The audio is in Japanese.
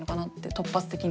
突発的に。